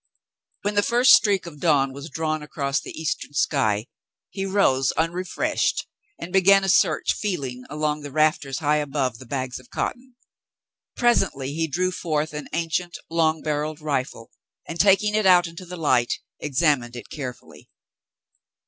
When the first streak of dawn was drawn across the eastern sky, he rose unrefreshed, and began a search, feel ing along the rafters high above the bags of cotton. Pres ently he drew forth an ancient, long barrelled rifle, and, Frale Returns 161 taking it out into the light, examined it carefully.